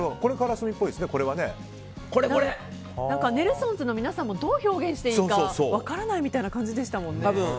ネルソンズの皆さんもどう表現していいか分からないみたいな感じでしたもんね。